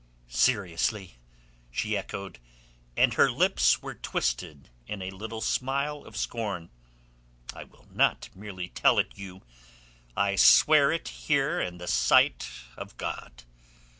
"Seriously?" she echoed, and her lips were twisted in a little smile of scorn. "I not merely tell it you, I swear it here in the sight of God.